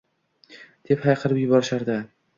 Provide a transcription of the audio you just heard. Deb hayqirib yuborishardi